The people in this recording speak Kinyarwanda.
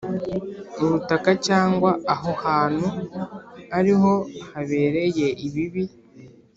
Ubutaka cyangwa aho hantu ari ho habereye ibibi